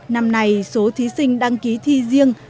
năm nay số thí sinh đăng ký thi riêng